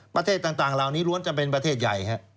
ประเทศต่างเหล่านี้ล้วนจะเป็นประเทศใหญ่